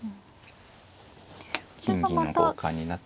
金銀の交換になって。